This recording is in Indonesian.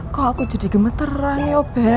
kok aku jadi gemeteran yo beb